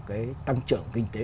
cái tăng trưởng kinh tế